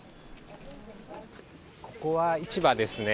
ここは市場ですね。